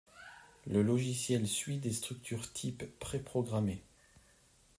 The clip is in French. Le logiciel suit des structures types, pré-programmées.